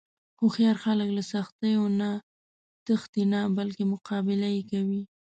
هوښیار خلک له سختیو نه تښتي نه، بلکې مقابله یې کوي.